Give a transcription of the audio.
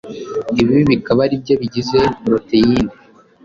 ibi bikaba ari byo bigize poroteyine,